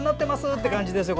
って感じですよ